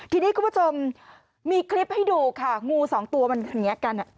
ทีนี้คุณผู้ชมมีคลิปให้ดูค่ะงูสองตัวมันอย่างนี้กัน